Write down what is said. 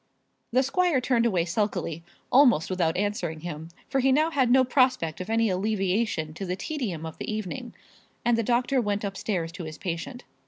The squire turned away sulkily, almost without answering him, for he now had no prospect of any alleviation to the tedium of the evening; and the doctor went up stairs to his patient.